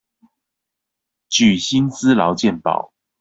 具薪資勞健保